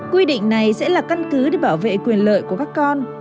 quy định này sẽ là căn cứ để bảo vệ quyền lợi của các con